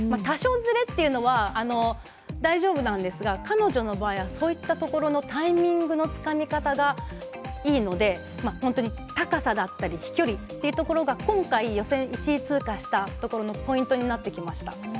多少ずれというのは大丈夫なんですが彼女の場合はそういったところのタイミングのつかみ方がいいので本当に高さだったり飛距離というところが今回予選１位通過したところのポイントになってきました。